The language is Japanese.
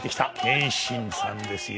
謙信さんですよ。